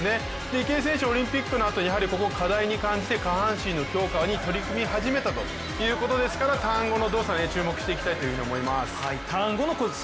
池江選手はオリンピックのあとここを課題に感じて下半身の強化に取り組み始めたということですからターン後の動作に注目していきたいと思います。